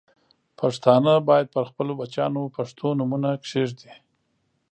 پښتانه باید پر خپلو بچیانو پښتو نومونه کښېږدي.